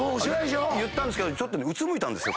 言ったんですけどちょっと俯いたんですよ。